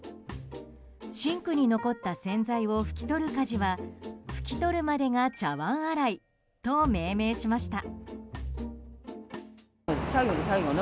シンクに残った洗剤を拭き取る家事は拭き取るまでが茶わん洗いと命名しました。